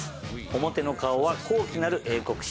表の顔は高貴なる英国紳士。